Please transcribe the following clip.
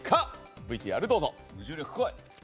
ＶＴＲをどうぞ。